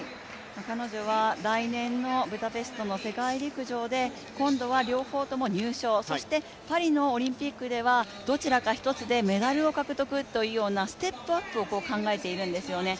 彼女は来年のブダペストの世界陸上で今度は両方とも入賞そして、パリのオリンピックではどちらか一つでメダルを獲得というようなステップアップを考えているんですよね。